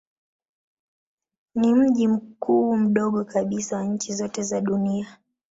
Ni mji mkuu mdogo kabisa wa nchi zote za dunia.